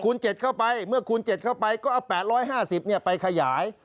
๗เข้าไปเมื่อคูณ๗เข้าไปก็เอา๘๕๐ไปขยาย